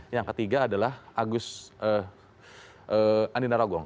yang ketiga adalah agus andinaragong